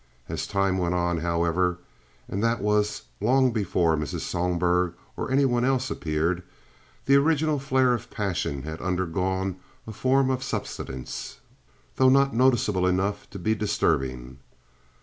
As time went on, however—and that was long before Mrs. Sohlberg or any one else had appeared—the original flare of passion had undergone a form of subsidence, though not noticeable enough to be disturbing.